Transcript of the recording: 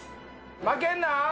負けんな！